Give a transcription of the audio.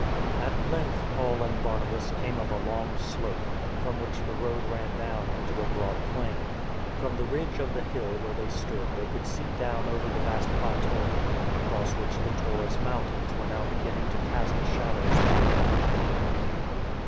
At length Paul and Barnabas came up a long slope, from which the road ran down into a broad plain. From the ridge of the hill where they stood they could see down over the vast plateau, across which the Taurus mountains were now beginning to cast the shadows of late afternoon.